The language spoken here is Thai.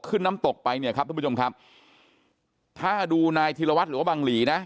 ขึ้นน้ำตกไปเนี่ยถ้าดูนายธิรวัดหรือว่าบังหลีนะ